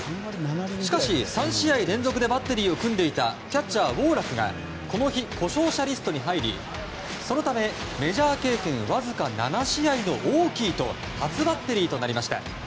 しかし、３試合連続でバッテリーを組んでいたキャッチャー、ウォーラクがこの日、故障者リストに入りそのため、メジャー経験わずか７試合のオーキーと初バッテリーとなりました。